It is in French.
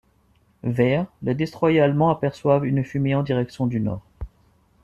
Vers les destroyers allemands aperçoivent une fumée en direction du nord.